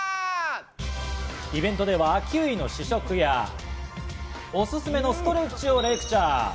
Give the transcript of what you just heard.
イベントでは、キウイの試食やおすすめのストレッチをレクチャー。